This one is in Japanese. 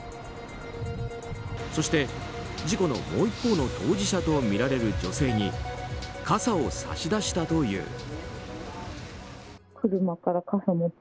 そして、事故のもう一方の当事者とみられる女性に傘を差し出したという。